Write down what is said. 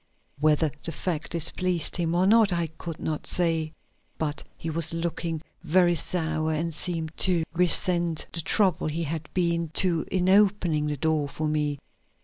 Whether the fact displeased him or not I could not say, but he was looking very sour and seemed to resent the trouble he had been to in opening the door for me.